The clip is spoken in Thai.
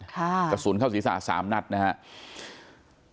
กระสุนเข้าศีรษะ๓นัดนะครับ